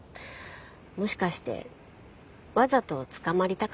もしかしてわざと捕まりたかったのかな？